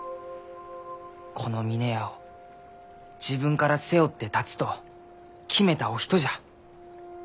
この峰屋を自分から背負って立つと決めたお人じゃ。